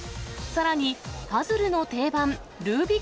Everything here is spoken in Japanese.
さらにパズルの定番、ルービ